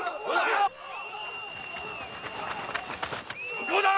向こうだ！